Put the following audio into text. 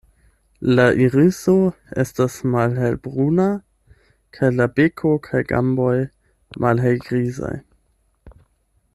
La iriso estas malhelbruna kaj la beko kaj gamboj malhelgrizaj.